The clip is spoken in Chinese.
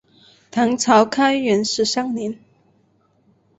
唐朝开元十三年。